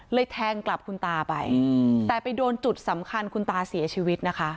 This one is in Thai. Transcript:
แทงกลับคุณตาไปแต่ไปโดนจุดสำคัญคุณตาเสียชีวิตนะคะ